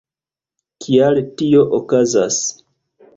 Kial tio okazas?